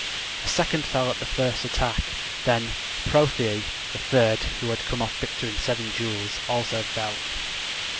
A second fell at the first attack; then Prothoë, the third, who had come off victor in seven duels, also fell.